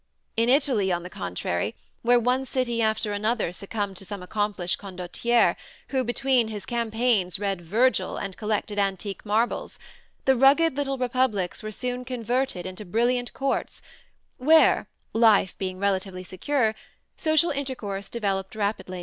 In Italy, on the contrary, where one city after another succumbed to some accomplished condottiere who between his campaigns read Virgil and collected antique marbles, the rugged little republics were soon converted into brilliant courts where, life being relatively secure, social intercourse rapidly developed.